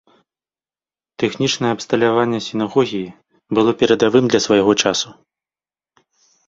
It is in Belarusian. Тэхнічнае абсталяванне сінагогі было перадавым для свайго часу.